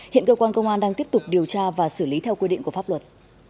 hiện cơ quan công an đang tiếp tục điều tra và xử lý theo quy định của pháp luật